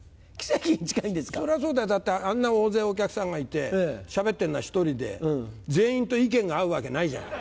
そりゃそうだよだってあんな大勢お客さんがいてしゃべってんのは１人で全員と意見が合うわけないじゃない。